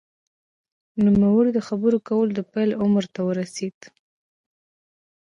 نوموړی د خبرو کولو د پیل عمر ته ورسېد